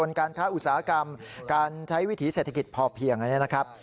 การค้าอุตสาหกรรมการใช้วิถีเศรษฐกิจพอเพียงอันนี้นะครับ